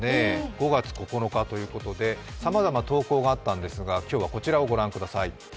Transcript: ５月９日ということでさまざま投稿があったんですが今日はこちらをご覧ください。